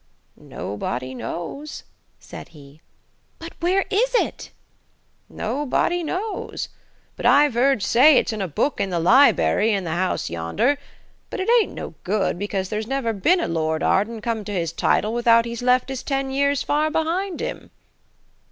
"Nobody knows," said he. "But where is it?" "Nobody knows. But I've 'eard say it's in a book in the libery in the house yonder. But it ain't no good, because there's never been a Lord Arden come to his title without he's left his ten years far behind him."